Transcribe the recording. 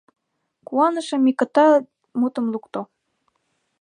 — Куаныше Микыта мутым лукто.